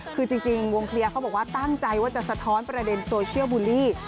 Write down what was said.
คือจริงวงเคลียร์เขาบอกว่าตั้งใจว่าจะสะท้อนประเด็นโซเชียลบูลลี่